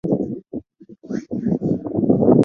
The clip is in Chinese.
其个人倾向于支持本土立场。